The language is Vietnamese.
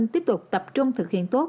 tiếp tục tập trung thực hiện tốt